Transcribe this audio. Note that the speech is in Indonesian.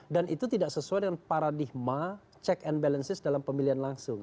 dan itu tidak sesuai dengan paradigma check and balances dalam pemilihan langsung